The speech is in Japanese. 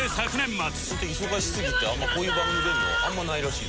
ホントに忙しすぎてこういう番組出るのあんまりないらしい。